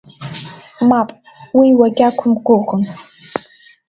Мап, уи уагьақәымгәыӷын.